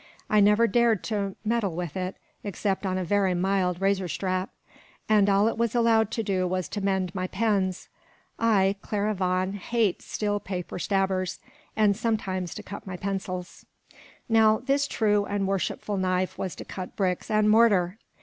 I never dared to meddle with it, except on a very mild razor strap; and all it was allowed to do was to mend my pens I, Clara Vaughan, hate steel paper stabbers and sometimes to cut my pencils. Now, this true and worshipful knife was to cut bricks and mortar!